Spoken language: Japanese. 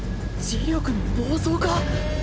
磁力の暴走か？